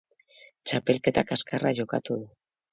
txapelketa kaxkarra jokatu du